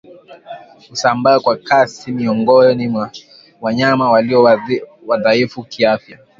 Husambaa kwa kasi miongoni mwa wanyama walio wadhaifu kiafya